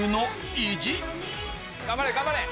頑張れ頑張れ！